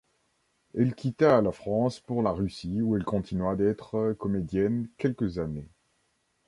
Elle quitta la France pour la Russie où elle continua d'être comédienne quelques années.